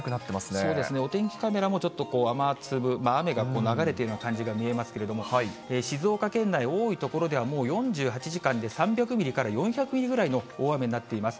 そうですね、お天気カメラもちょっと雨粒、雨が流れてるような感じが見えますけれども、静岡県内、多い所では、もう４８時間で３００ミリから４００ミリぐらいの大雨になっています。